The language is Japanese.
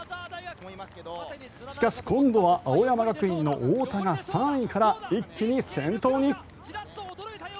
しかし、今度は青山学院の太田が３位から一気に先頭に。